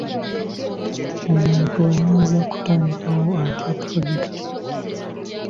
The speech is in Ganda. Omuntu ayinza kutandikawo atya pulojekiti?